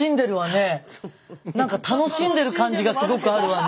なんか楽しんでる感じがすごくあるわね。